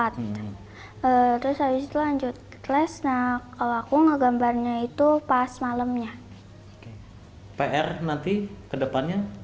empat terus habis lanjut kelas nah kalau aku ngegambarnya itu pas malamnya pr nanti kedepannya